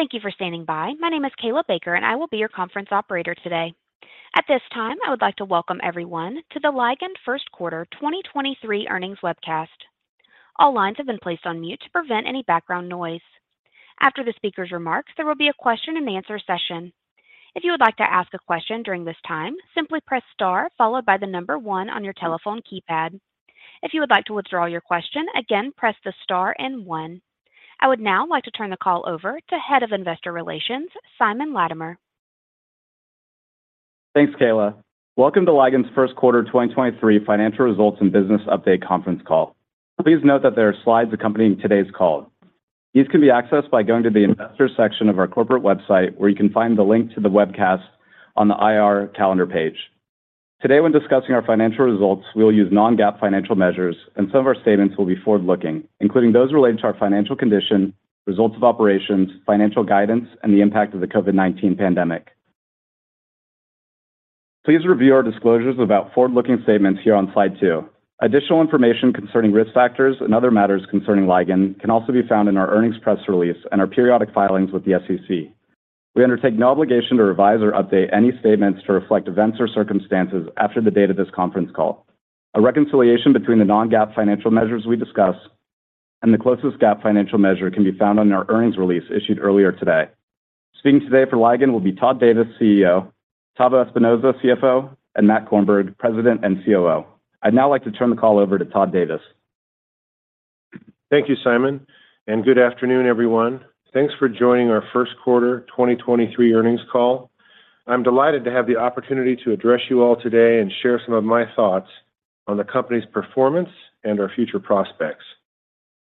Thank you for standing by. My name is Kailey Baker. I will be your conference operator today. At this time, I would like to welcome everyone to the Ligand First Quarter 2023 Earnings Webcast. All lines have been placed on mute to prevent any background noise. After the speaker's remarks, there will be a question and answer session. If you would like to ask a question during this time, simply press star followed by one on your telephone keypad. If you would like to withdraw your question, again, press the star and one. I would now like to turn the call over to Head of Investor Relations, Simon Latimer. Thanks, Kailey. Welcome to Ligand's First Quarter 2023 Financial Results and Business Update Conference Call. Please note that there are slides accompanying today's call. These can be accessed by going to the investor section of our corporate website, where you can find the link to the webcast on the IR calendar page. Today, when discussing our financial results, we'll use non-GAAP financial measures, and some of our statements will be forward-looking, including those related to our financial condition, results of operations, financial guidance, and the impact of the COVID-19 pandemic. Please review our disclosures about forward-looking statements here on slide 2. Additional information concerning risk factors and other matters concerning Ligand can also be found in our earnings press release and our periodic filings with the SEC. We undertake no obligation to revise or update any statements to reflect events or circumstances after the date of this conference call. A reconciliation between the non-GAAP financial measures we discuss and the closest GAAP financial measure can be found on our earnings release issued earlier today. Speaking today for Ligand will be Todd Davis, CEO, Tavo Espinoza, CFO, and Matthew Korenberg, President and COO. I'd now like to turn the call over to Todd Davis. Thank you, Simon, Good afternoon, everyone. Thanks for joining our first quarter 2023 earnings call. I'm delighted to have the opportunity to address you all today and share some of my thoughts on the company's performance and our future prospects.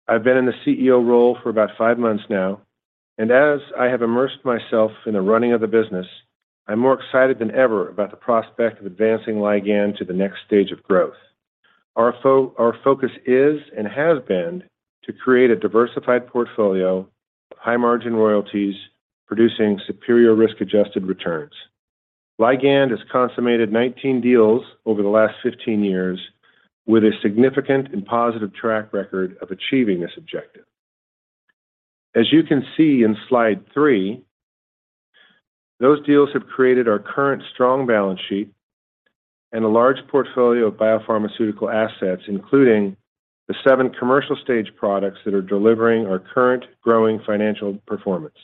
I've been in the CEO role for about 5 months now, and as I have immersed myself in the running of the business, I'm more excited than ever about the prospect of advancing Ligand to the next stage of growth. Our focus is and has been to create a diversified portfolio of high-margin royalties producing superior risk-adjusted returns. Ligand has consummated 19 deals over the last 15 years with a significant and positive track record of achieving this objective. As you can see in Slide 3, those deals have created our current strong balance sheet and a large portfolio of biopharmaceutical assets, including the 7 commercial-stage products that are delivering our current growing financial performance.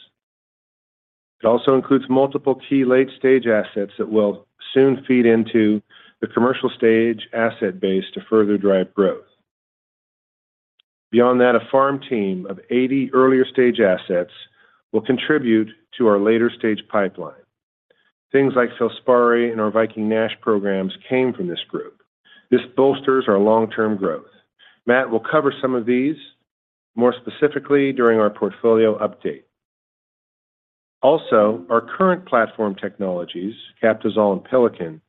It also includes multiple key late-stage assets that will soon feed into the commercial-stage asset base to further drive growth. Beyond that, a farm team of 80 earlier-stage assets will contribute to our later-stage pipeline. Things like FILSPARI and our Viking NASH programs came from this group. This bolsters our long-term growth. Matt will cover some of these more specifically during our portfolio update. Also, our current platform technologies, Captisol and Pelican,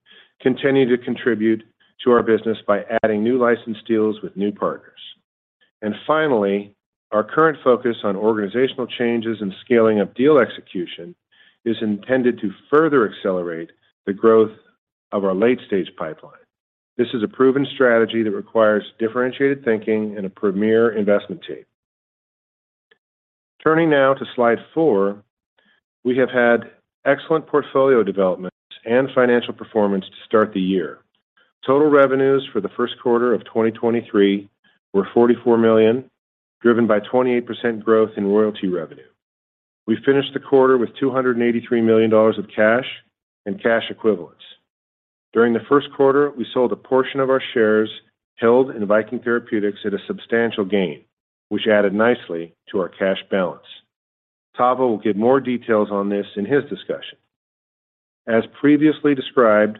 continue to contribute to our business by adding new license deals with new partners. Finally, our current focus on organizational changes and scaling up deal execution is intended to further accelerate the growth of our late-stage pipeline. This is a proven strategy that requires differentiated thinking and a premier investment team. Turning now to Slide 4, we have had excellent portfolio development and financial performance to start the year. Total revenues for the first quarter of 2023 were $44 million, driven by 28% growth in royalty revenue. We finished the quarter with $283 million of cash and cash equivalents. During the first quarter, we sold a portion of our shares held in Viking Therapeutics at a substantial gain, which added nicely to our cash balance. Tavo will give more details on this in his discussion. As previously described,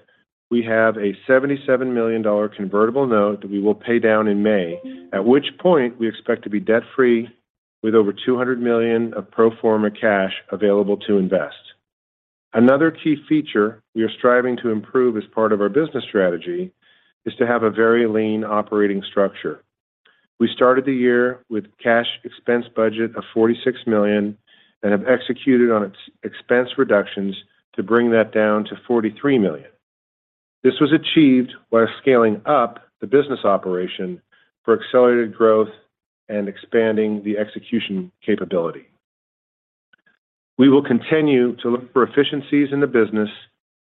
we have a $77 million convertible note that we will pay down in May, at which point we expect to be debt-free with over $200 million of pro forma cash available to invest. Another key feature we are striving to improve as part of our business strategy is to have a very lean operating structure. We started the year with cash expense budget of $46 million and have executed on ex-expense reductions to bring that down to $43 million. This was achieved while scaling up the business operation for accelerated growth and expanding the execution capability. We will continue to look for efficiencies in the business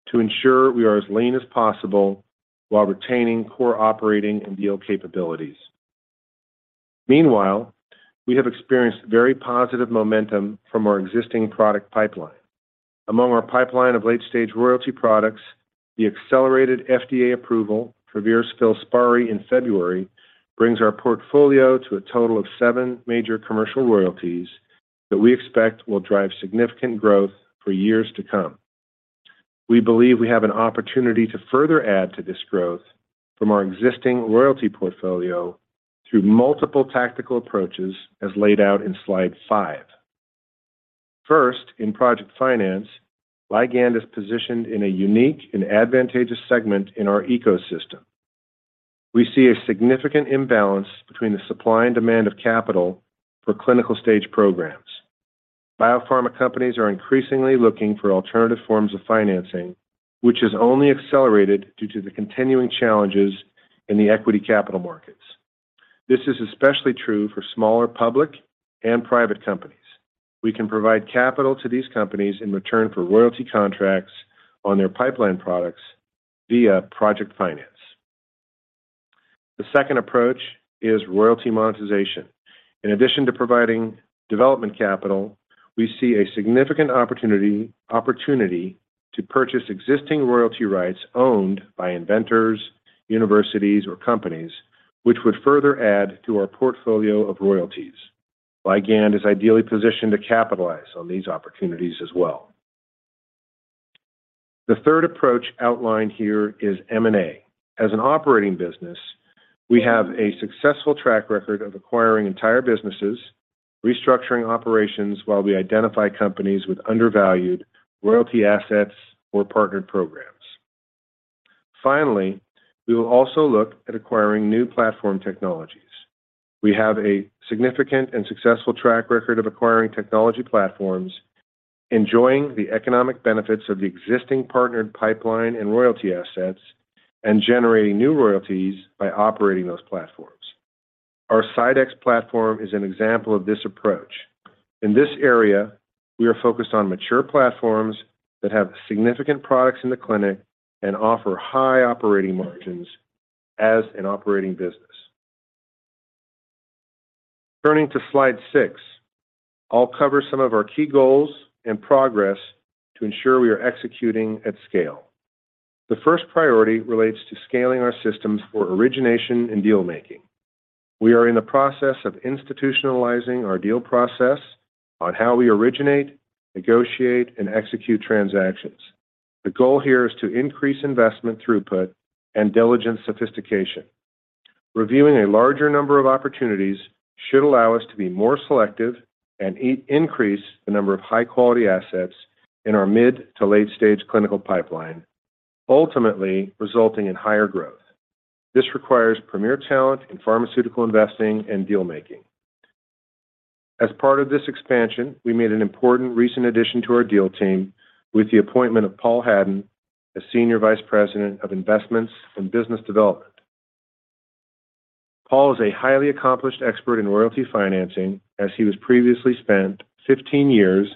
to ensure we are as lean as possible while retaining core operating and deal capabilities. Meanwhile, we have experienced very positive momentum from our existing product pipeline. Among our pipeline of late-stage royalty products, the accelerated FDA approval for FILSPARI in February brings our portfolio to a total of seven major commercial royalties that we expect will drive significant growth for years to come. We believe we have an opportunity to further add to this growth from our existing royalty portfolio through multiple tactical approaches as laid out in Slide 5. First, in project finance, Ligand is positioned in a unique and advantageous segment in our ecosystem. We see a significant imbalance between the supply and demand of capital for clinical-stage programs. Biopharma companies are increasingly looking for alternative forms of financing, which has only accelerated due to the continuing challenges in the equity capital markets. This is especially true for smaller public and private companies. We can provide capital to these companies in return for royalty contracts on their pipeline products via project finance. The second approach is royalty monetization. In addition to providing development capital, we see a significant opportunity to purchase existing royalty rights owned by inventors, universities, or companies, which would further add to our portfolio of royalties. Ligand is ideally positioned to capitalize on these opportunities as well. The third approach outlined here is M&A. As an operating business, we have a successful track record of acquiring entire businesses, restructuring operations while we identify companies with undervalued royalty assets or partnered programs. We will also look at acquiring new platform technologies. We have a significant and successful track record of acquiring technology platforms, enjoying the economic benefits of the existing partnered pipeline and royalty assets, and generating new royalties by operating those platforms. Our CyDex platform is an example of this approach. In this area, we are focused on mature platforms that have significant products in the clinic and offer high operating margins as an operating business. Turning to slide 6, I'll cover some of our key goals and progress to ensure we are executing at scale. The first priority relates to scaling our systems for origination and deal-making. We are in the process of institutionalizing our deal process on how we originate, negotiate, and execute transactions. The goal here is to increase investment throughput and diligence sophistication. Reviewing a larger number of opportunities should allow us to be more selective and increase the number of high-quality assets in our mid to late-stage clinical pipeline, ultimately resulting in higher growth. This requires premier talent in pharmaceutical investing and deal-making. As part of this expansion, we made an important recent addition to our deal team with the appointment of Paul Hadden as Senior Vice President of Investments and Business Development. Paul is a highly accomplished expert in royalty financing as he has previously spent 15 years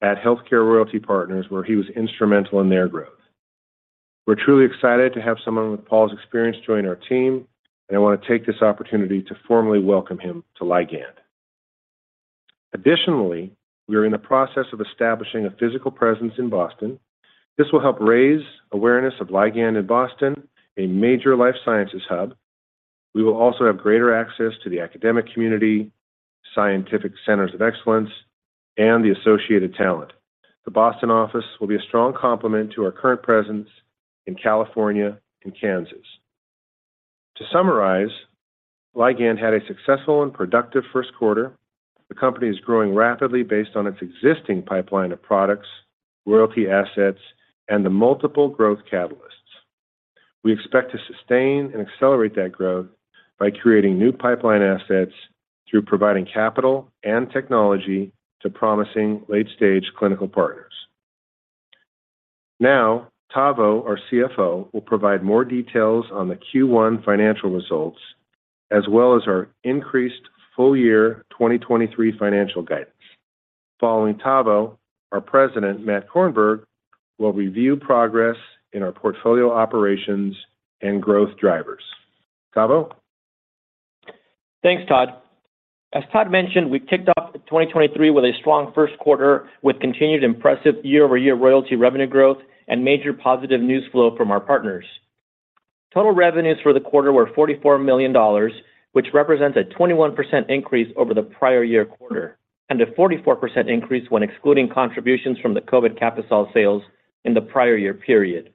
at HealthCare Royalty Partners, where he was instrumental in their growth. We're truly excited to have someone with Paul's experience join our team, and I want to take this opportunity to formally welcome him to Ligand. Additionally, we are in the process of establishing a physical presence in Boston. This will help raise awareness of Ligand in Boston, a major life sciences hub. We will also have greater access to the academic community, scientific centers of excellence, and the associated talent. The Boston office will be a strong complement to our current presence in California and Kansas. To summarize, Ligand had a successful and productive first quarter. The company is growing rapidly based on its existing pipeline of products, royalty assets, and the multiple growth catalysts. We expect to sustain and accelerate that growth by creating new pipeline assets through providing capital and technology to promising late-stage clinical partners. Tavo, our CFO, will provide more details on the Q1 financial results, as well as our increased full-year 2023 financial guidance. Following Tavo, our President, Matthew Korenberg, will review progress in our portfolio operations and growth drivers. Tavo? Thanks, Todd. As Todd mentioned, we kicked off 2023 with a strong first quarter with continued impressive year-over-year royalty revenue growth and major positive news flow from our partners. Total revenues for the quarter were $44 million, which represents a 21% increase over the prior year quarter and a 44% increase when excluding contributions from the COVID Captisol sales in the prior year period.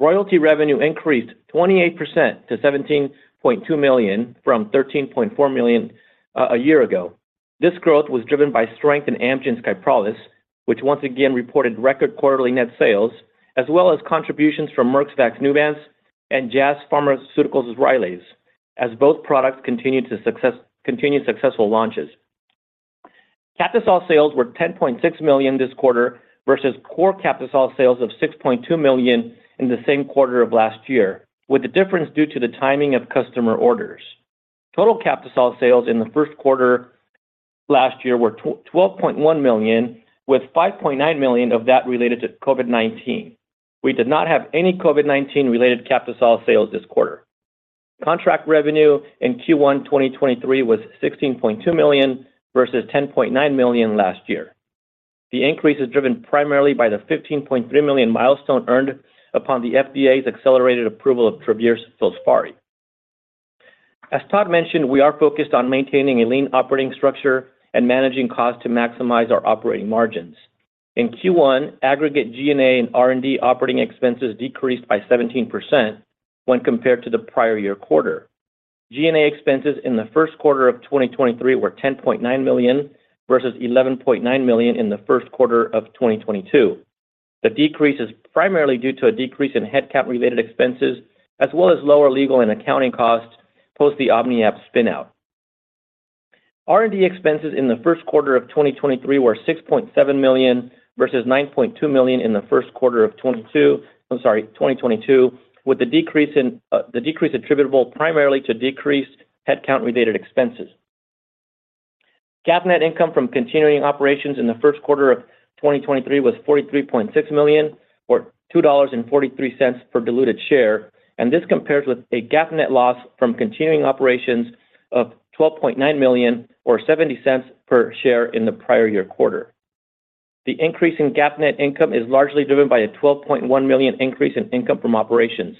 Royalty revenue increased 28% to $17.2 million from $13.4 million a year ago. This growth was driven by strength in Amgen's Kyprolis, which once again reported record quarterly net sales, as well as contributions from Merck's VAXNEUVANCE and Jazz Pharmaceuticals' Rylaze, as both products continue successful launches. Captisol sales were $10.6 million this quarter versus core Captisol sales of $6.2 million in the same quarter of last year, with the difference due to the timing of customer orders. Total Captisol sales in the first quarter last year were $12.1 million, with $5.9 million of that related to COVID-19. We did not have any COVID-19 related Captisol sales this quarter. Contract revenue in Q1 2023 was $16.2 million versus $10.9 million last year. The increase is driven primarily by the $15.3 million milestone earned upon the FDA's accelerated approval of Travere's FILSPARI. As Todd mentioned, we are focused on maintaining a lean operating structure and managing costs to maximize our operating margins. In Q1, aggregate G&A and R&D operating expenses decreased by 17% when compared to the prior year quarter. G&A expenses in the first quarter of 2023 were $10.9 million versus $11.9 million in the first quarter of 2022. The decrease is primarily due to a decrease in headcount-related expenses as well as lower legal and accounting costs post the OmniAb spin-out. R&D expenses in the first quarter of 2023 were $6.7 million versus $9.2 million in the first quarter of 2022. I'm sorry, 2022, with the decrease attributable primarily to decreased headcount-related expenses. GAAP net income from continuing operations in the first quarter of 2023 was $43.6 million, or $2.43 per diluted share. This compares with a GAAP net loss from continuing operations of $12.9 million or $0.70 per share in the prior year quarter. The increase in GAAP net income is largely driven by a $12.1 million increase in income from operations,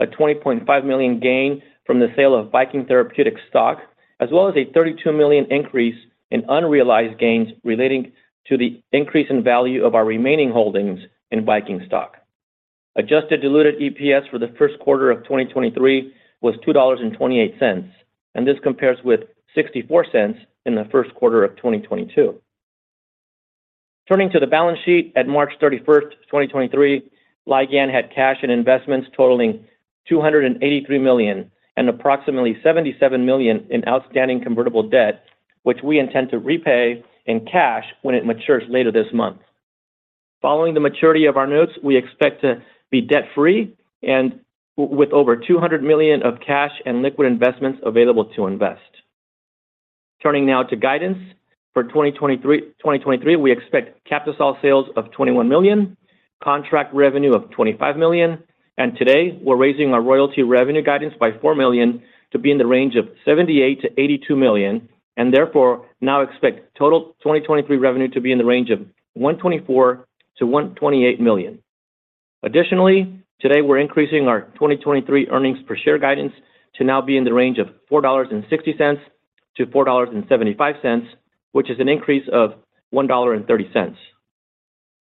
a $20.5 million gain from the sale of Viking Therapeutics stock, as well as a $32 million increase in unrealized gains relating to the increase in value of our remaining holdings in Viking stock. Adjusted diluted EPS for the first quarter of 2023 was $2.28, and this compares with $0.64 in the first quarter of 2022. Turning to the balance sheet at March 31st, 2023, Ligand had cash and investments totaling $283 million and approximately $77 million in outstanding convertible debt, which we intend to repay in cash when it matures later this month. Following the maturity of our notes, we expect to be debt-free and with over $200 million of cash and liquid investments available to invest. Turning now to guidance. For 2023, we expect Captisol sales of $21 million, contract revenue of $25 million. Today we're raising our royalty revenue guidance by $4 million to be in the range of $78 million-$82 million. Therefore now expect total 2023 revenue to be in the range of $124 million-$128 million. Additionally, today we're increasing our 2023 earnings per share guidance to now be in the range of $4.60-$4.75, which is an increase of $1.30.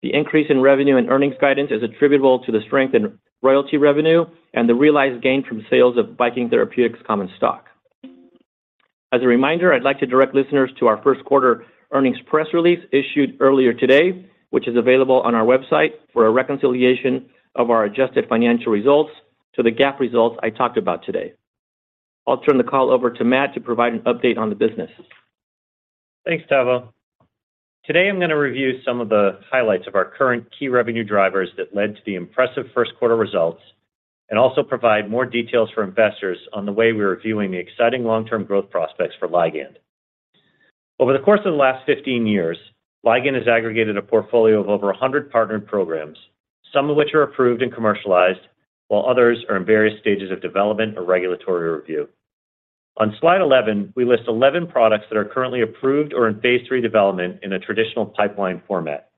The increase in revenue and earnings guidance is attributable to the strength in royalty revenue and the realized gain from sales of Viking Therapeutics common stock. As a reminder, I'd like to direct listeners to our first quarter earnings press release issued earlier today, which is available on our website for a reconciliation of our adjusted financial results to the GAAP results I talked about today. I'll turn the call over to Matt to provide an update on the business. Thanks, Tavo. Today I'm going to review some of the highlights of our current key revenue drivers that led to the impressive first quarter results, also provide more details for investors on the way we are viewing the exciting long-term growth prospects for Ligand. Over the course of the last 15 years, Ligand has aggregated a portfolio of over 100 partnered programs, some of which are approved and commercialized, while others are in various stages of development or regulatory review. On slide 11, we list 11 products that are currently approved or in phase 3 development in a traditional pipeline format.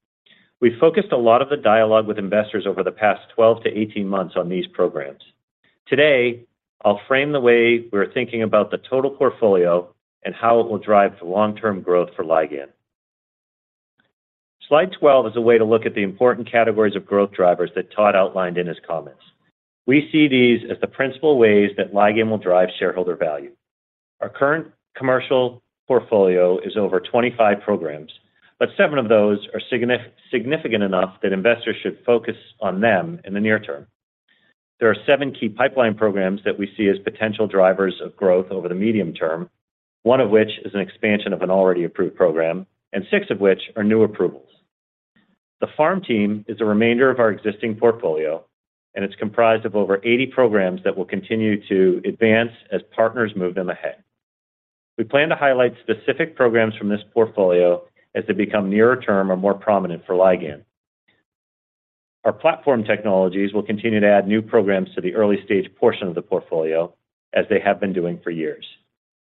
We focused a lot of the dialogue with investors over the past 12 to 18 months on these programs. Today, I'll frame the way we're thinking about the total portfolio and how it will drive long-term growth for Ligand. Slide 12 is a way to look at the important categories of growth drivers that Todd outlined in his comments. We see these as the principal ways that Ligand will drive shareholder value. Our current commercial portfolio is over 25 programs, but 7 of those are significant enough that investors should focus on them in the near term. There are 7 key pipeline programs that we see as potential drivers of growth over the medium term, 1 of which is an expansion of an already approved program, and 6 of which are new approvals. The Pharm Team is a remainder of our existing portfolio, and it's comprised of over 80 programs that will continue to advance as partners move them ahead. We plan to highlight specific programs from this portfolio as they become nearer term or more prominent for Ligand. Our platform technologies will continue to add new programs to the early-stage portion of the portfolio as they have been doing for years.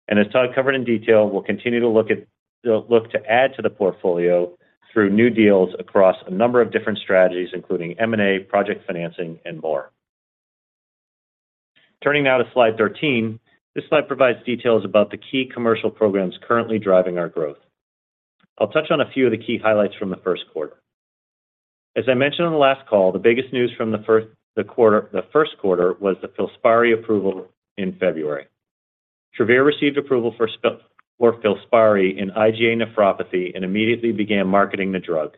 As Todd covered in detail, we'll look to add to the portfolio through new deals across a number of different strategies, including M&A, project financing, and more. Turning now to slide 13. This slide provides details about the key commercial programs currently driving our growth. I'll touch on a few of the key highlights from the first quarter. As I mentioned on the last call, the biggest news from the first quarter was the FILSPARI approval in February. Travere received approval for FILSPARI in IgA nephropathy and immediately began marketing the drug.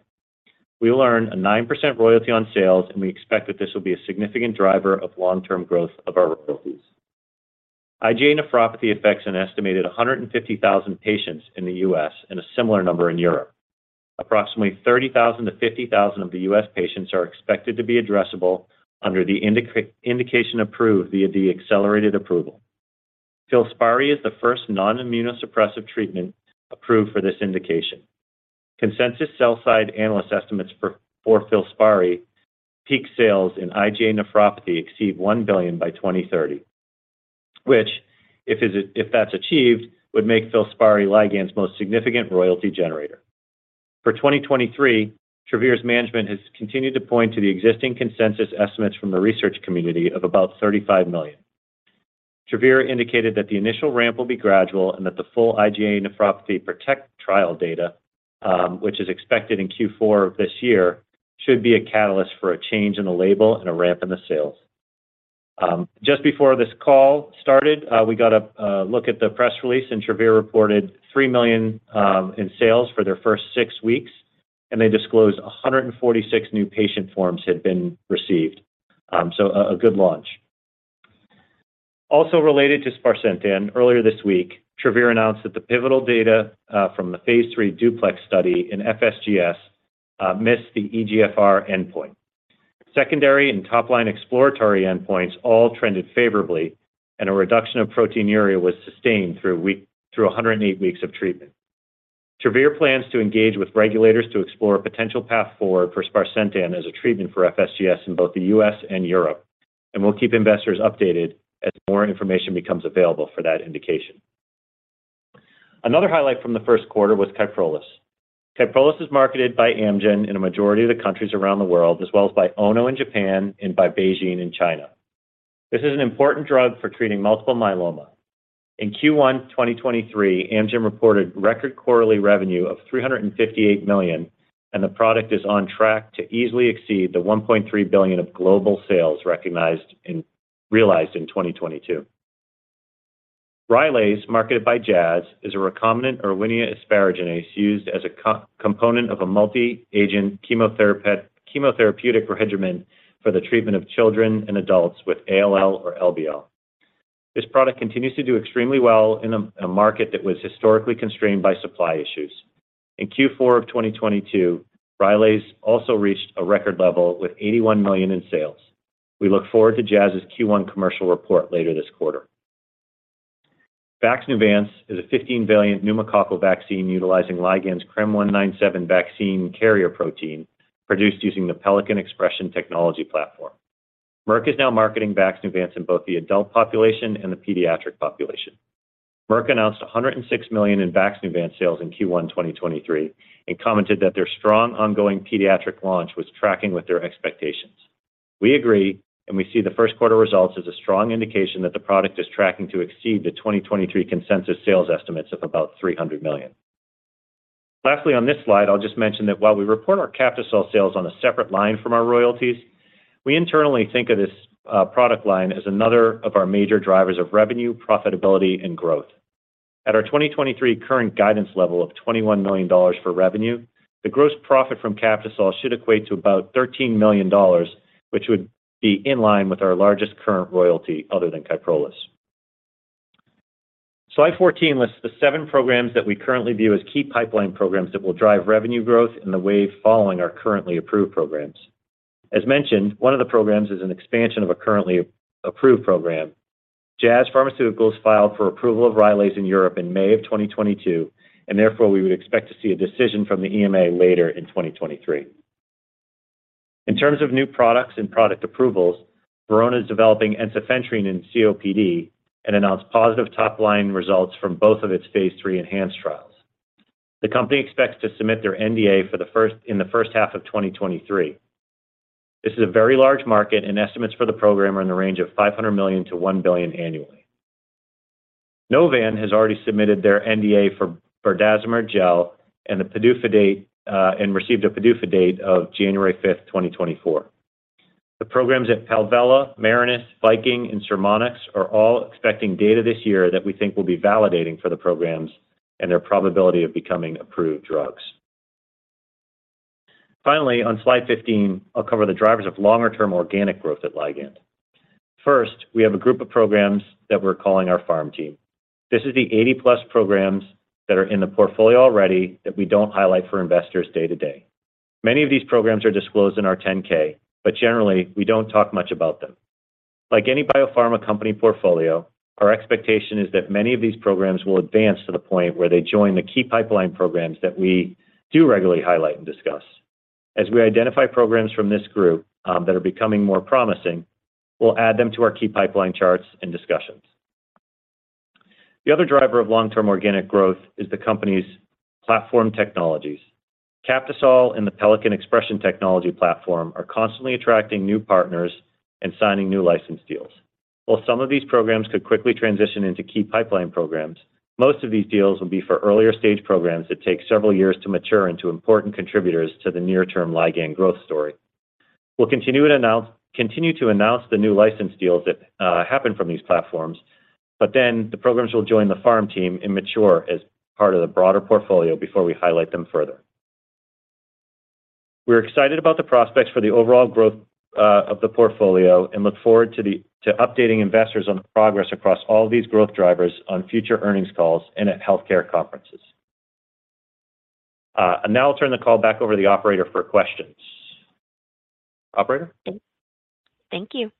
We will earn a 9% royalty on sales. We expect that this will be a significant driver of long-term growth of our royalties. IgA nephropathy affects an estimated 150,000 patients in the U.S. and a similar number in Europe. Approximately 30,000-50,000 of the U.S. patients are expected to be addressable under the indication approved via the accelerated approval. FILSPARI is the first non-immunosuppressive treatment approved for this indication. Consensus sell side analyst estimates for FILSPARI peak sales in IgA nephropathy exceed $1 billion by 2030, which if that's achieved, would make FILSPARI Ligand's most significant royalty generator. For 2023, Travere's management has continued to point to the existing consensus estimates from the research community of about $35 million. Travere indicated that the initial ramp will be gradual and that the full IgA nephropathy PROTECT trial data, which is expected in Q4 of this year, should be a catalyst for a change in the label and a ramp in the sales. Just before this call started, we got a look at the press release, and Travere reported $3 million in sales for their first 6 weeks, and they disclosed 146 new patient forms had been received. A good launch. Related to sparsentan, earlier this week, Travere announced that the pivotal data from the Phase 3 DUPLEX study in FSGS missed the EGFR endpoint. Secondary and top-line exploratory endpoints all trended favorably, and a reduction of proteinuria was sustained through 108 weeks of treatment. Travere plans to engage with regulators to explore a potential path forward for sparsentan as a treatment for FSGS in both the U.S. and Europe. We'll keep investors updated as more information becomes available for that indication. Another highlight from the first quarter was Kyprolis. Kyprolis is marketed by Amgen in a majority of the countries around the world, as well as by Ono in Japan and by BeiGene in China. This is an important drug for treating multiple myeloma. In Q1 2023, Amgen reported record quarterly revenue of $358 million. The product is on track to easily exceed the $1.3 billion of global sales realized in 2022. Rylaze, marketed by Jazz, is a recombinant Erwinia asparaginase used as a co-component of a multi-agent chemotherapeutic regimen for the treatment of children and adults with ALL or LBL. This product continues to do extremely well in a market that was historically constrained by supply issues. In Q4 2022, Rylaze also reached a record level with $81 million in sales. We look forward to Jazz's Q1 commercial report later this quarter. VAXNEUVANCE is a 15-valent pneumococcal vaccine utilizing Ligand's CRM197 vaccine carrier protein produced using the Pelican Expression Technology platform. Merck is now marketing VAXNEUVANCE in both the adult population and the pediatric population. Merck announced $106 million in VAXNEUVANCE sales in Q1 2023, commented that their strong ongoing pediatric launch was tracking with their expectations. We agree, we see the first quarter results as a strong indication that the product is tracking to exceed the 2023 consensus sales estimates of about $300 million. Lastly, on this slide, I'll just mention that while we report our Captisol sales on a separate line from our royalties, we internally think of this product line as another of our major drivers of revenue, profitability, and growth. At our 2023 current guidance level of $21 million for revenue, the gross profit from Captisol should equate to about $13 million, which would be in line with our largest current royalty other than Kyprolis. Slide 14 lists the 7 programs that we currently view as key pipeline programs that will drive revenue growth in the wave following our currently approved programs. As mentioned, one of the programs is an expansion of a currently approved program. Jazz Pharmaceuticals filed for approval of Rylaze in Europe in May of 2022, therefore, we would expect to see a decision from the EMA later in 2023. In terms of new products and product approvals, Verona is developing ensifentrine in COPD and announced positive top-line results from both of its phase 3 ENHANCE trials. The company expects to submit their NDA in the first half of 2023. This is a very large market, and estimates for the program are in the range of $500 million-$1 billion annually. Novan has already submitted their NDA for berdazimer gel and the PDUFA date, and received a PDUFA date of January 5, 2024. The programs at PellePharm, Marinus, Viking, and Surmodics are all expecting data this year that we think will be validating for the programs and their probability of becoming approved drugs. Finally, on slide 15, I'll cover the drivers of longer-term organic growth at Ligand. First, we have a group of programs that we're calling our Pharm Team. This is the 80+ programs that are in the portfolio already that we don't highlight for investors day to day. Many of these programs are disclosed in our 10-K, generally, we don't talk much about them. Like any biopharma company portfolio, our expectation is that many of these programs will advance to the point where they join the key pipeline programs that we do regularly highlight and discuss. As we identify programs from this group, that are becoming more promising, we'll add them to our key pipeline charts and discussions. The other driver of long-term organic growth is the company's platform technologies. Captisol and the Pelican Expression Technology platform are constantly attracting new partners and signing new license deals. While some of these programs could quickly transition into key pipeline programs, most of these deals will be for earlier-stage programs that take several years to mature into important contributors to the near-term Ligand growth story. We'll continue to announce the new license deals that happen from these platforms, but then the programs will join the Pharm Team and mature as part of the broader portfolio before we highlight them further. We're excited about the prospects for the overall growth of the portfolio and look forward to updating investors on the progress across all these growth drivers on future earnings calls and at healthcare conferences. I'll turn the call back over to the operator for questions. Operator? Thank you.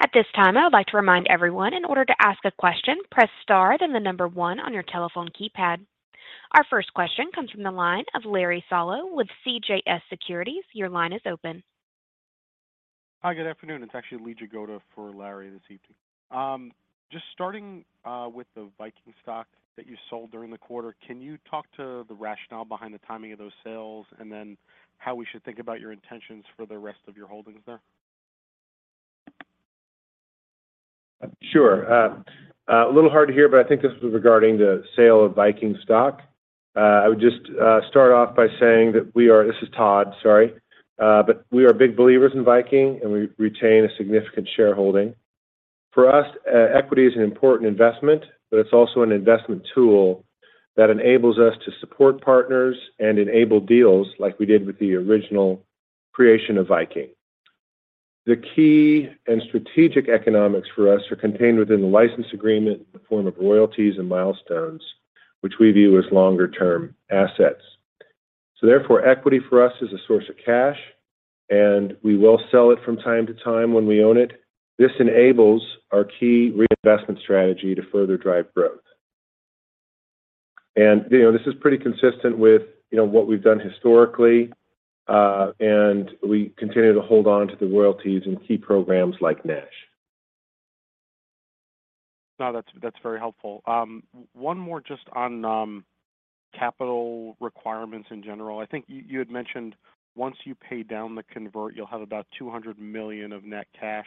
At this time, I would like to remind everyone in order to ask a question, press star then the number one on your telephone keypad. Our first question comes from the line of Larry Solow with CJS Securities. Your line is open. Hi, good afternoon. It's actually Lee Jagoda for Larry this evening. Just starting with the Viking stock that you sold during the quarter, can you talk to the rationale behind the timing of those sales, and then how we should think about your intentions for the rest of your holdings there? Sure. A little hard to hear, but I think this was regarding the sale of Viking stock. I would just start off by saying that. This is Todd, sorry. We are big believers in Viking, and we retain a significant shareholding. For us, equity is an important investment, but it's also an investment tool that enables us to support partners and enable deals like we did with the original creation of Viking. The key and strategic economics for us are contained within the license agreement in the form of royalties and milestones, which we view as longer-term assets. Therefore, equity for us is a source of cash, and we will sell it from time to time when we own it. This enables our key reinvestment strategy to further drive growth. you know, this is pretty consistent with, you know, what we've done historically, and we continue to hold on to the royalties and key programs like NASH. No, that's very helpful. one more just on capital requirements in general. I think you had mentioned once you pay down the convert, you'll have about $200 million of net cash.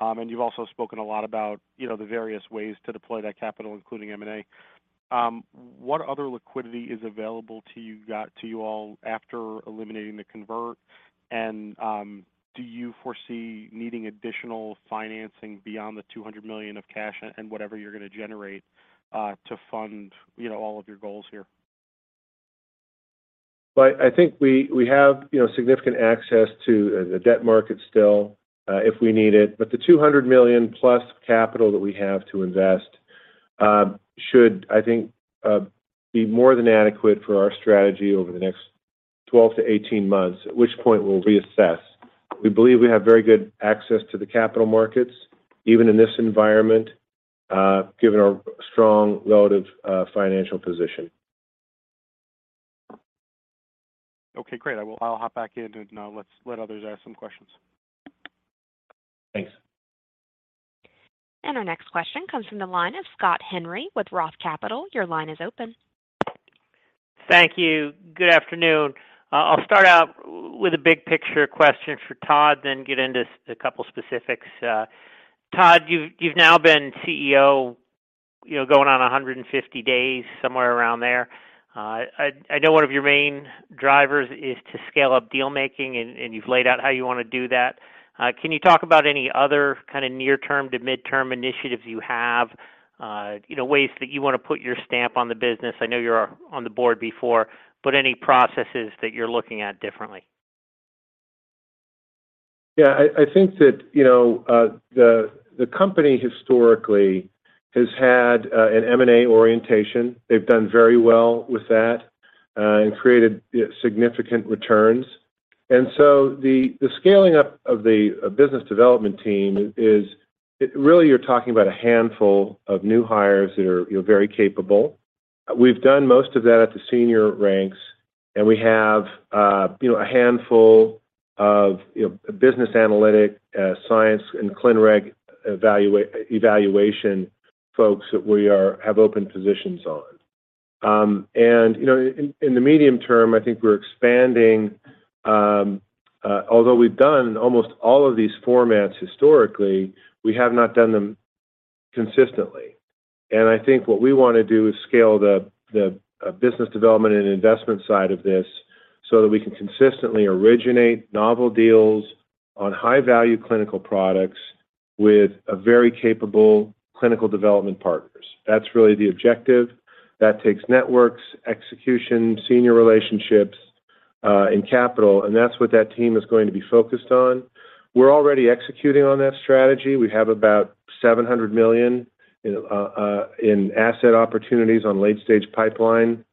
And you've also spoken a lot about, you know, the various ways to deploy that capital, including M&A. What other liquidity is available to you all after eliminating the convert? And do you foresee needing additional financing beyond the $200 million of cash and whatever you're gonna generate to fund, you know, all of your goals here? I think we have, you know, significant access to the debt market still, if we need it. The $200 million-plus capital that we have to invest, should, I think, be more than adequate for our strategy over the next 12 to 18 months, at which point we'll reassess. We believe we have very good access to the capital markets, even in this environment, given our strong relative financial position. Okay, great. I'll hop back in. Now let's let others ask some questions. Thanks. Our next question comes from the line of Scott Henry with ROTH Capital. Your line is open. Thank you. Good afternoon. I'll start out with a big picture question for Todd, then get into a couple specifics. Todd, you've now been CEO, you know, going on 150 days, somewhere around there. I know one of your main drivers is to scale up deal making and you've laid out how you wanna do that. Can you talk about any other kind of near term to midterm initiatives you have? You know, ways that you wanna put your stamp on the business. I know you were on the board before, but any processes that you're looking at differently? Yeah. I think that, you know, the company historically has had an M&A orientation. They've done very well with that and created significant returns. The scaling up of the business development team is really you're talking about a handful of new hires that are, you know, very capable. We've done most of that at the senior ranks. We have, you know, a handful of, you know, business analytic, science and clin reg evaluation folks that we have open positions on. You know, in the medium term, I think we're expanding, although we've done almost all of these formats historically, we have not done them consistently. I think what we wanna do is scale the business development and investment side of this so that we can consistently originate novel deals on high-value clinical products with a very capable clinical development partners. That's really the objective. That takes networks, execution, senior relationships and capital, and that's what that team is going to be focused on. We're already executing on that strategy. We have about $700 million in asset opportunities on late-stage pipeline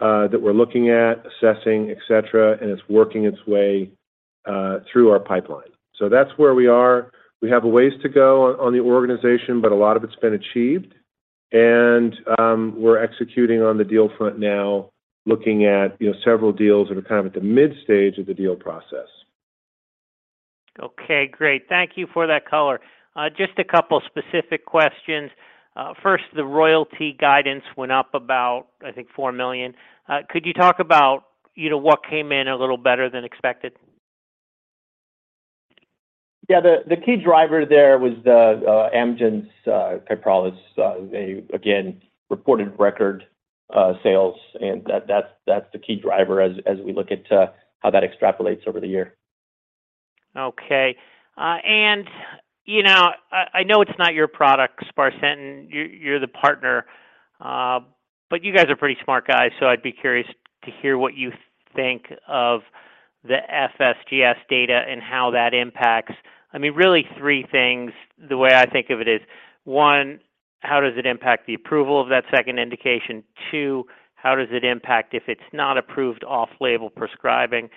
that we're looking at, assessing, et cetera, and it's working its way through our pipeline. That's where we are. We have a ways to go on the organization, but a lot of it's been achieved. We're executing on the deal front now, looking at, you know, several deals that are kind of at the mid-stage of the deal process. Okay, great. Thank you for that color. Just a couple specific questions. First, the royalty guidance went up about, I think, $4 million. Could you talk about, you know, what came in a little better than expected? Yeah. The key driver there was the Amgen's Kyprolis. They again reported record sales, and that's the key driver as we look at how that extrapolates over the year. Okay. you know, I know it's not your product, sparsentan, you're the partner. You guys are pretty smart guys, so I'd be curious to hear what you think of the FSGS data and how that impacts. I mean, really three things. The way I think of it is, 1, how does it impact the approval of that second indication? 2, how does it impact if it's not approved off-label prescribing?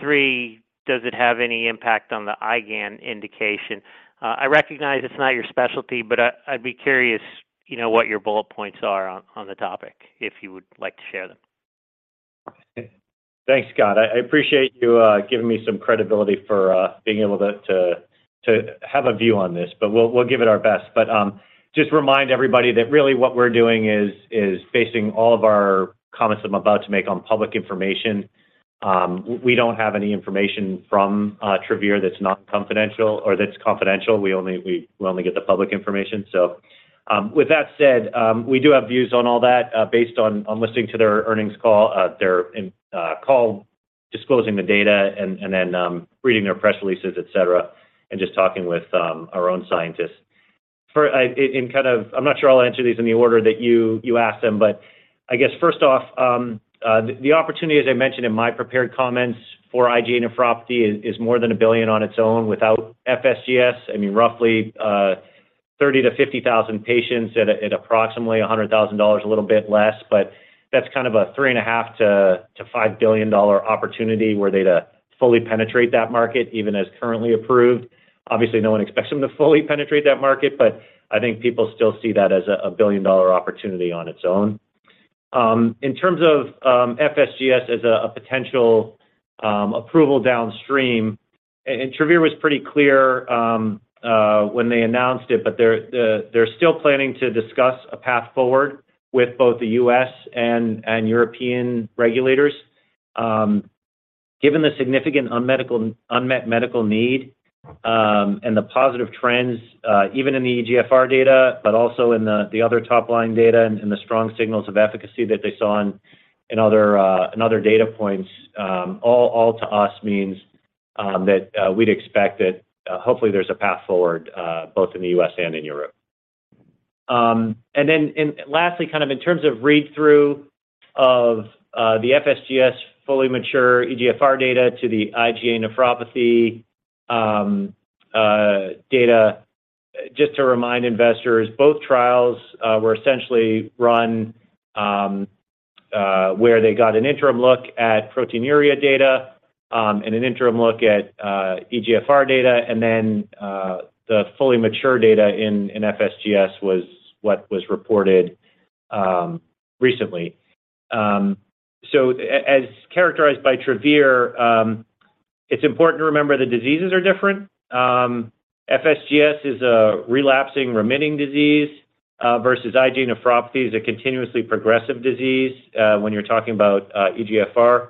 3, does it have any impact on the IgAN indication? I recognize it's not your specialty, but I'd be curious, you know, what your bullet points are on the topic, if you would like to share them. Thanks, Scott. I appreciate you giving me some credibility for being able to have a view on this, but we'll give it our best. Just remind everybody that really what we're doing is basing all of our comments I'm about to make on public information. We don't have any information from Travere Therapeutics that's not confidential or that's confidential. We only, we only get the public information. With that said, we do have views on all that based on listening to their earnings call. Their call Disclosing the data and then reading their press releases, et cetera, and just talking with our own scientists. In kind of... I'm not sure I'll answer these in the order that you asked them, but I guess first off, the opportunity, as I mentioned in my prepared comments for IgA nephropathy is more than $1 billion on its own without FSGS. I mean, roughly, 30,000-50,000 patients at approximately $100,000, a little bit less, but that's kind of a $3.5 billion-$5 billion opportunity were they to fully penetrate that market, even as currently approved. Obviously, no one expects them to fully penetrate that market, but I think people still see that as a billion-dollar opportunity on its own. in terms of FSGS as a potential approval downstream, and Travere was pretty clear when they announced it, but they're still planning to discuss a path forward with both the U.S. and European regulators. Given the significant unmet medical need, and the positive trends, even in the EGFR data, but also in the other top-line data and the strong signals of efficacy that they saw in other data points, all to us means that we'd expect that hopefully there's a path forward both in the U.S. and in Europe. Lastly, kind of in terms of read-through of the FSGS fully mature EGFR data to the IgA nephropathy data, just to remind investors, both trials were essentially run where they got an interim look at proteinuria data and an interim look at EGFR data. The fully mature data in FSGS was what was reported recently. As characterized by Travere, it's important to remember the diseases are different. FSGS is a relapsing-remitting disease versus IgA nephropathy is a continuously progressive disease when you're talking about EGFR.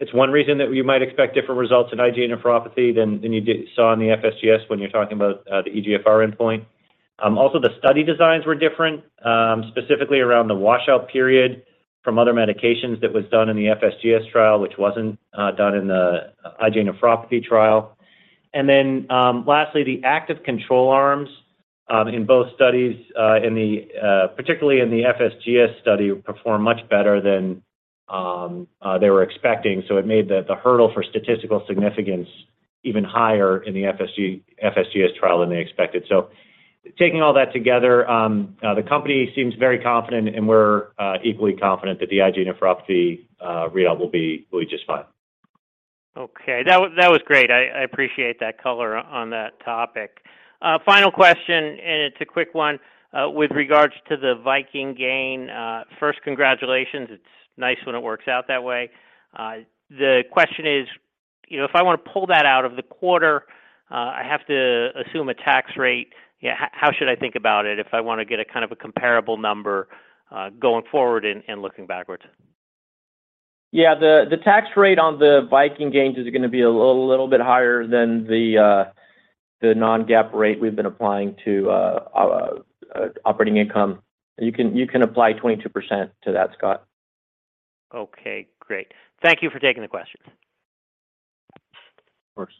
It's one reason that we might expect different results in IgA nephropathy than you saw in the FSGS when you're talking about the EGFR endpoint. Also, the study designs were different, specifically around the washout period from other medications that was done in the FSGS trial, which wasn't done in the IgA nephropathy trial. Lastly, the active control arms in both studies, particularly in the FSGS study performed much better than they were expecting, so it made the hurdle for statistical significance even higher in the FSGS trial than they expected. Taking all that together, the company seems very confident, and we're equally confident that the IgA nephropathy readout will be just fine. Okay. That was great. I appreciate that color on that topic. Final question, it's a quick one, with regards to the Viking gain. First, congratulations. It's nice when it works out that way. The question is, you know, if I wanna pull that out of the quarter, I have to assume a tax rate. How should I think about it if I wanna get a kind of a comparable number going forward and looking backwards? Yeah. The tax rate on the Viking gains is gonna be a little bit higher than the non-GAAP rate we've been applying to operating income. You can apply 22% to that, Scott. Okay, great. Thank you for taking the questions. Of course.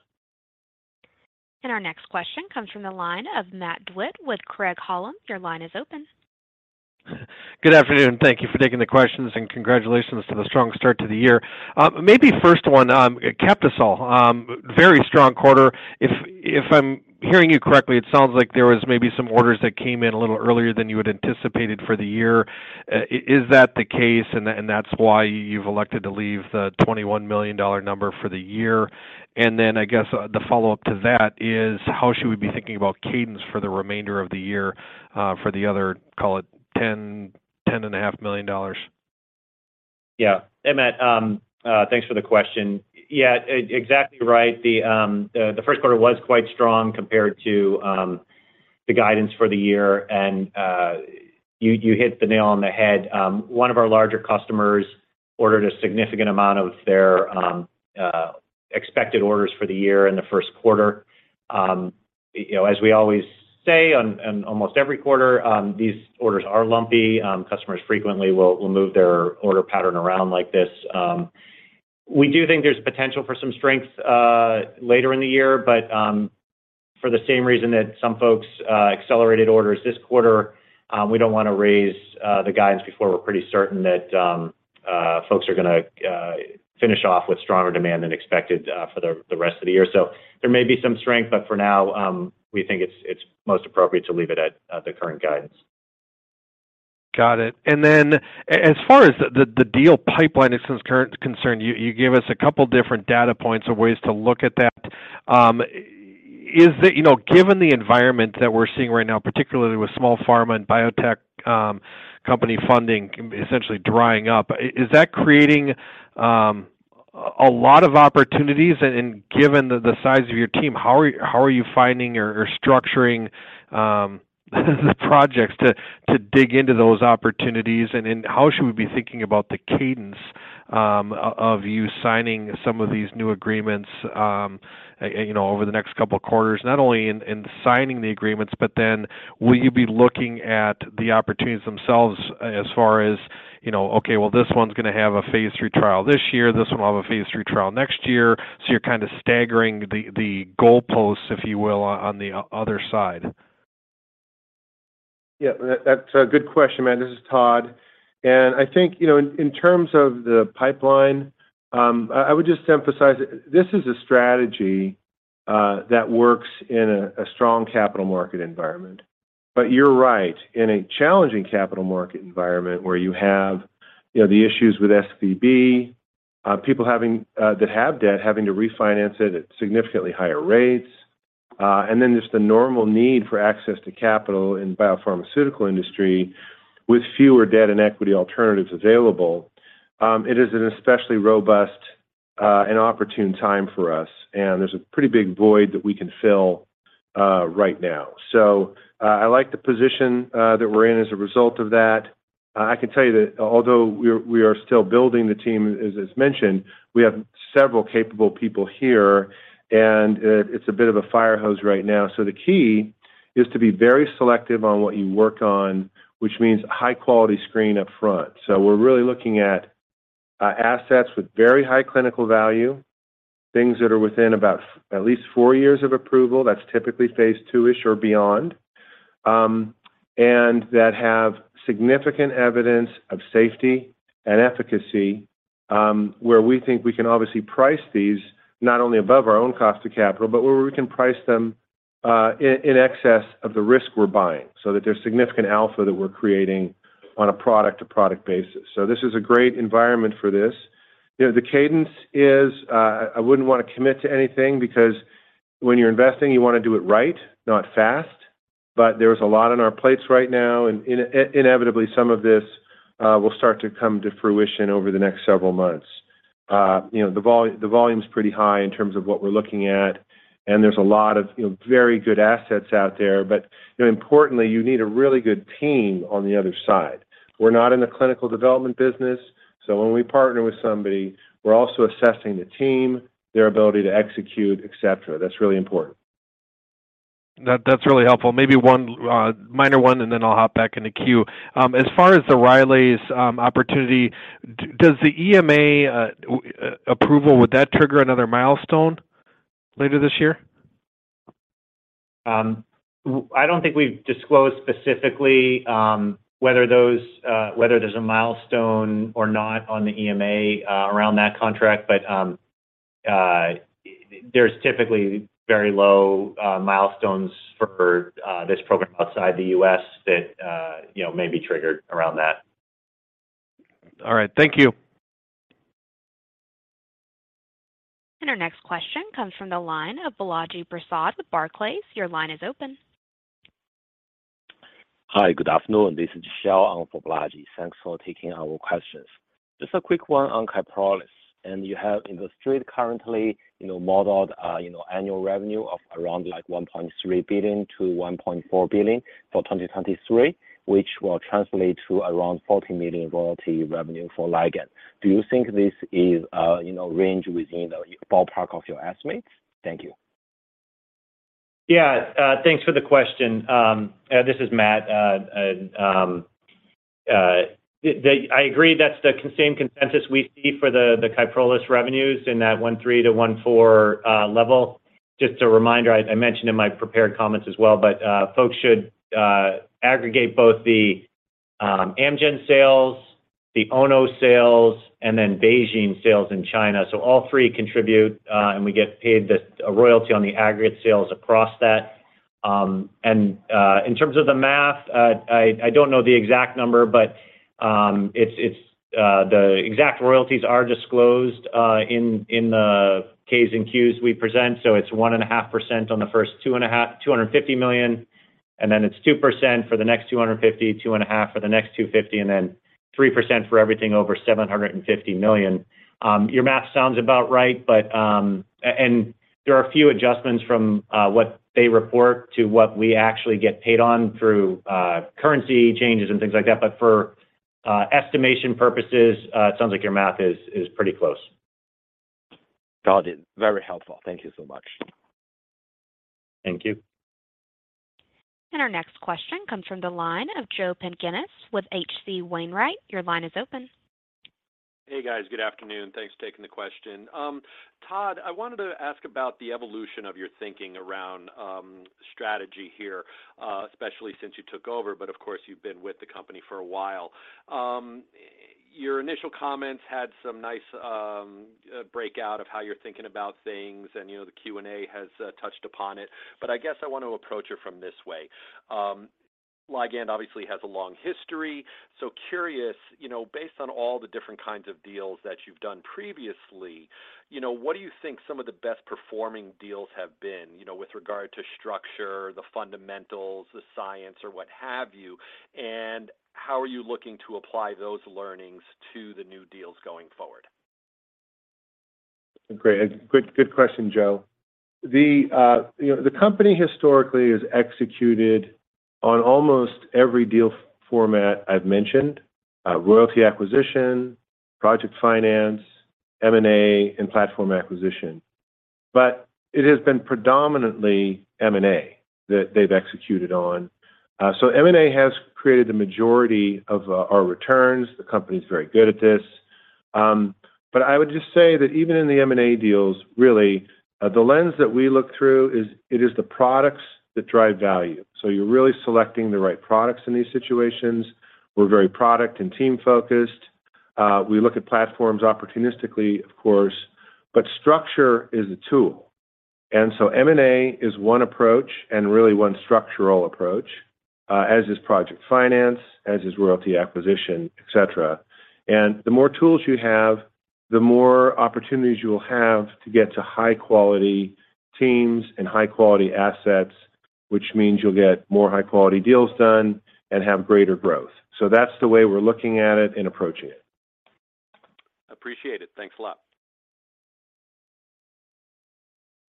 Our next question comes from the line of Matt Hewitt with Craig-Hallum. Your line is open. Good afternoon. Thank you for taking the questions. Congratulations to the strong start to the year. Maybe first one, Captisol. Very strong quarter. If I'm hearing you correctly, it sounds like there was maybe some orders that came in a little earlier than you had anticipated for the year. Is that the case, and that's why you've elected to leave the $21 million number for the year? I guess, the follow-up to that is, how should we be thinking about cadence for the remainder of the year, for the other, call it ten and a half million dollars? Yeah. Hey, Matt. Thanks for the question. Yeah, exactly right. The first quarter was quite strong compared to the guidance for the year. You hit the nail on the head. One of our larger customers ordered a significant amount of their expected orders for the year in the first quarter. You know, as we always say in almost every quarter, these orders are lumpy. Customers frequently will move their order pattern around like this. We do think there's potential for some strength later in the year. For the same reason that some folks accelerated orders this quarter, we don't wanna raise the guidance before we're pretty certain that folks are gonna finish off with stronger demand than expected for the rest of the year. There may be some strength, but for now, we think it's most appropriate to leave it at the current guidance. Got it. As far as the deal pipeline is concerned, you gave us a couple different data points or ways to look at that. You know, given the environment that we're seeing right now, particularly with small pharma and biotech, company funding essentially drying up, is that creating a lot of opportunities? Given the size of your team, how are you finding or structuring the projects to dig into those opportunities? How should we be thinking about the cadence of you signing some of these new agreements, you know, over the next couple of quarters, not only in signing the agreements, but then will you be looking at the opportunities themselves as far as, you know, okay, well, this one's gonna have a phase III trial this year, this will have a phase III trial next year, so you're kinda staggering the goalposts, if you will, on the other side? Yeah, that's a good question, Matt. This is Todd. I think, you know, in terms of the pipeline, I would just emphasize this is a strategy that works in a strong capital market environment. You're right. In a challenging capital market environment where you have, you know, the issues with SVB, people that have debt having to refinance it at significantly higher rates, and then just the normal need for access to capital in biopharmaceutical industry with fewer debt and equity alternatives available, it is an especially robust and opportune time for us, and there's a pretty big void that we can fill right now. I like the position that we're in as a result of that. I can tell you that although we are still building the team as mentioned, we have several capable people here, and it's a bit of a fire hose right now. The key is to be very selective on what you work on, which means high quality screen up front. We're really looking at assets with very high clinical value, things that are within about at least four years of approval, that's typically phase II-ish or beyond, and that have significant evidence of safety and efficacy, where we think we can obviously price these not only above our own cost of capital, but where we can price them in excess of the risk we're buying, so that there's significant alpha that we're creating on a product-to-product basis. This is a great environment for this. You know, the cadence is, I wouldn't wanna commit to anything because when you're investing, you wanna do it right, not fast. There is a lot on our plates right now, and inevitably, some of this will start to come to fruition over the next several months. You know, the volume is pretty high in terms of what we're looking at, and there's a lot of, you know, very good assets out there. You know, importantly, you need a really good team on the other side. We're not in the clinical development business, when we partner with somebody, we're also assessing the team, their ability to execute, et cetera. That's really important. That's really helpful. Maybe one minor one, and then I'll hop back in the queue. As far as the Rylaze opportunity, does the EMA approval, would that trigger another milestone later this year? I don't think we've disclosed specifically, whether those, whether there's a milestone or not on the EMA, around that contract, but there's typically very low milestones for this program outside the U.S. that, you know, may be triggered around that. All right. Thank you. Our next question comes from the line of Balaji Prasad with Barclays. Your line is open. Hi, good afternoon. This is Gisha on for Balaji. Thanks for taking our questions. Just a quick one on Kyprolis. You have in the street currently, you know, modeled, you know, annual revenue of around $1.3 billion-$1.4 billion for 2023, which will translate to around $40 million royalty revenue for Ligand. Do you think this is, you know, range within the ballpark of your estimates? Thank you. Yeah. Thanks for the question. This is Matt. I agree that's the same consensus we see for the Kyprolis revenues in that $13-$14 level. Just a reminder, I mentioned in my prepared comments as well, but folks should aggregate both the Amgen sales, the Ono sales, and then BeiGene sales in China. All three contribute and we get paid this royalty on the aggregate sales across that. In terms of the math, I don't know the exact number, but it's the exact royalties are disclosed in the K's and Q's we present. It's 1.5% on the first $250 million, and then it's 2% for the next $250 million, 2.5% for the next $250 million, and then 3% for everything over $750 million. Your math sounds about right, but... And there are a few adjustments from what they report to what we actually get paid on through currency changes and things like that. But for estimation purposes, it sounds like your math is pretty close. Got it. Very helpful. Thank you so much. Thank you. Our next question comes from the line of Joe Pantginis with H.C. Wainwright & Co. Your line is open. Hey, guys. Good afternoon. Thanks for taking the question. Todd, I wanted to ask about the evolution of your thinking around strategy here, especially since you took over, but of course, you've been with the company for a while. Your initial comments had some nice breakout of how you're thinking about things, and, you know, the Q&A has touched upon it. I guess I want to approach it from this way. Ligand obviously has a long history. Curious, you know, based on all the different kinds of deals that you've done previously, you know, what do you think some of the best performing deals have been, you know, with regard to structure, the fundamentals, the science or what have you? How are you looking to apply those learnings to the new deals going forward? Great. Good, good question, Joe. The, you know, the company historically has executed on almost every deal format I've mentioned, royalty acquisition, project finance, M&A, and platform acquisition. It has been predominantly M&A that they've executed on. M&A has created the majority of our returns. The company's very good at this. I would just say that even in the M&A deals, really, the lens that we look through is it is the products that drive value. You're really selecting the right products in these situations. We're very product and team-focused. We look at platforms opportunistically, of course, but structure is a tool. M&A is one approach, and really one structural approach, as is project finance, as is royalty acquisition, et cetera. The more tools you have, the more opportunities you will have to get to high-quality teams and high-quality assets, which means you'll get more high-quality deals done and have greater growth. That's the way we're looking at it and approaching it. Appreciate it. Thanks a lot.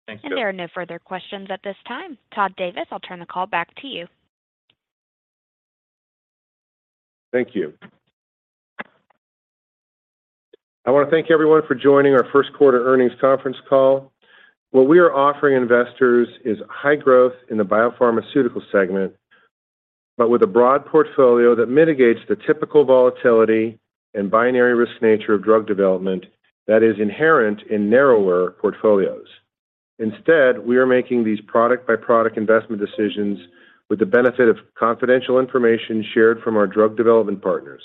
Thanks, Joe. There are no further questions at this time. Todd Davis, I'll turn the call back to you. Thank you. I wanna thank everyone for joining our first quarter earnings conference call. What we are offering investors is high growth in the biopharmaceutical segment, but with a broad portfolio that mitigates the typical volatility and binary risk nature of drug development that is inherent in narrower portfolios. Instead, we are making these product-by-product investment decisions with the benefit of confidential information shared from our drug development partners.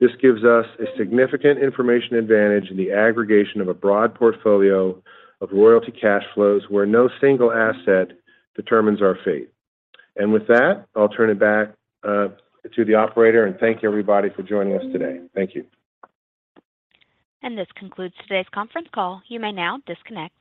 This gives us a significant information advantage in the aggregation of a broad portfolio of royalty cash flows where no single asset determines our fate. With that, I'll turn it back to the operator, and thank you everybody for joining us today. Thank you. This concludes today's conference call. You may now disconnect.